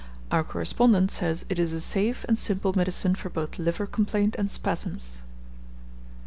Our correspondent says it is a "safe and simple medicine for both liver complaint and spasms."